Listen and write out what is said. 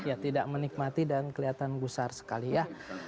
ya tidak menikmati dan kelihatan gusar sekali ya